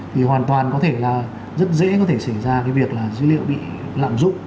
thì hoàn toàn có thể là rất dễ có thể xảy ra cái việc là dữ liệu bị lạm dụng